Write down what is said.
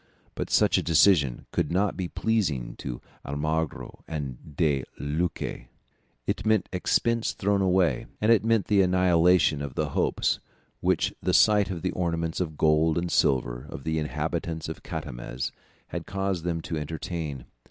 But such a decision could not be pleasing to Almagro and De Luque. It meant expense thrown away; and it meant the annihilation of the hopes which the sight of the ornaments of gold and silver of the inhabitants of Catamez had caused them to entertain.